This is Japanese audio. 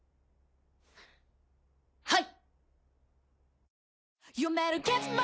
はい！